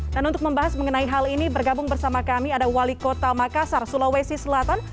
dan untuk membahas mengenai hal ini bergabung bersama kami ada wali kota makassar sulawesi selatan